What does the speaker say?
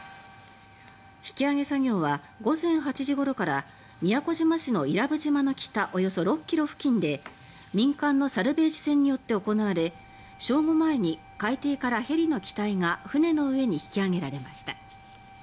引き揚げ作業は午前８時ごろから宮古島市の伊良部島の北およそ６キロ付近で民間のサルベージ船によって行われ正午前に、海底からヘリの機体が船の上に引き揚げられました。